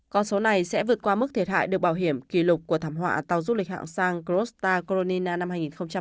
con số này sẽ vượt qua mức thiệt hại được bảo hiểm kỷ lục của thảm họa tàu du lịch hạng sang gross avazie coronina năm hai nghìn một mươi hai